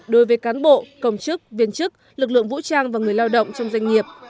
đối với cán bộ công chức viên chức lực lượng vũ trang và người lao động trong doanh nghiệp